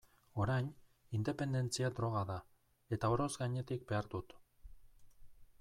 Orain, independentzia droga da, eta oroz gainetik behar dut.